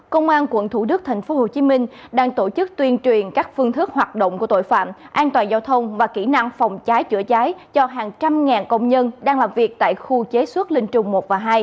công an quận thủ đức tp hcm đang tổ chức tuyên truyền các phương thức hoạt động của tội phạm an toàn giao thông và kỹ năng phòng cháy chữa cháy cho hàng trăm ngàn công nhân đang làm việc tại khu chế xuất linh trùng một và hai